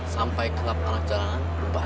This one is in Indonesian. sampai kelab anak jalanan berbahaya